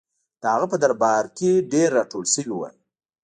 د هغه په درباره کې ډېر راټول شوي وو.